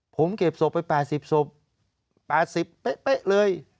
ผมเก็บศพไป๘๐ศพ๘๐เป๊ะเลย